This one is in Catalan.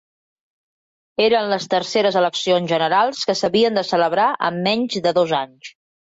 Eren les terceres eleccions generals que s'havien de celebrar en menys de dos anys.